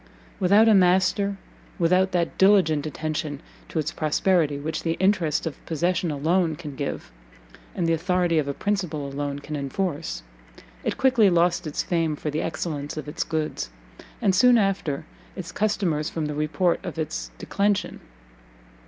Without a master, without that diligent attention to its prosperity which the interest of possession alone can give, and the authority of a principal alone can enforce, it quickly lost its fame for the excellence of its goods, and soon after its customers from the report of its declension.